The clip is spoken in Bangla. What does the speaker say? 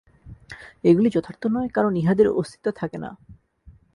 এগুলি যথার্থ নয়, কারণ ইহাদের অস্তিত্ব থাকে না।